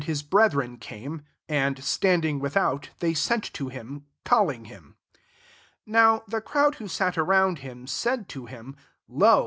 his brethren came; and, stand ing without, they sent to him, [calling him], 32 Now the crowd who sat around him, said to him, " Lo